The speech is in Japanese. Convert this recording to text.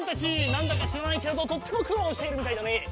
なんだかしらないけれどとってもくろうしているみたいだね。